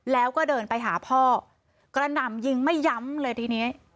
แล้วก็เดินไปหาพ่อกระหน่ำยิงไม่ย้ำเลยทีนี้